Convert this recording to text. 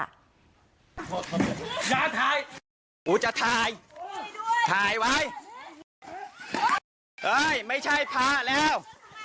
งานถ่ายกูจะถ่ายถ่ายไว้เอ้ยไม่ใช่พระแล้ว